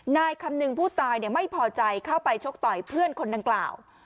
นายคำนึงผู้ตายไม่พอใจเข้าไปชกต่อยเพื่อนคนดังกล่าว